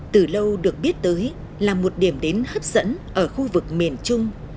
từ lâu được biết tới là một điểm đến hấp dẫn ở khu vực miền trung